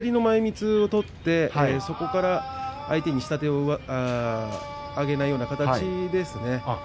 左の前みつを取ってそこから相手に下手をあげないような形ですね。